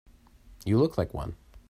You look like one.